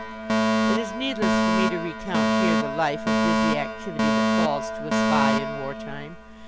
It is needless for me to recount here the life of busy activity that falls to a Spy in wartime.